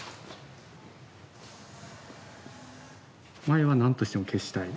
まいは何としても消したい。